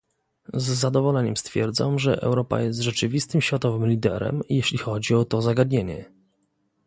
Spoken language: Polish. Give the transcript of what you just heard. Z zadowoleniem stwierdzam, że Europa jest rzeczywistym światowym liderem, jeśli chodzi o to zagadnienie